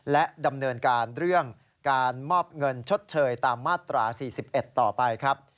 และดำเนินการเรื่องการมอบเงินชดเชยตามมาตรา๔๑ต่อไปครับ